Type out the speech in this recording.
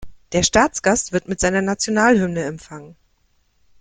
Der Staatsgast wird mit seiner Nationalhymne empfangen.